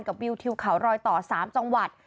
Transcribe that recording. วิวทิวเขารอยต่อ๓จังหวัด